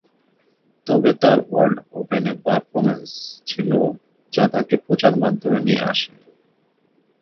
তবে তার ওয়ার্ল্ড ওপেনের পারফরম্যান্স ছিল যা তাকে প্রচার মাধ্যমে নিয়ে আসে।